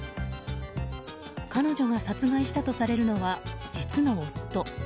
彼女が殺害したとされるのは実の夫。